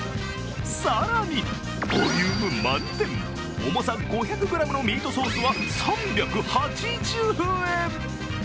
更にボリューム満点、重さ５００ｇのミートソースは３８０円。